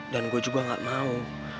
dan gue juga gak mau